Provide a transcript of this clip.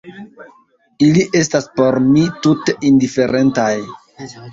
Ili estas por mi tute indiferentaj.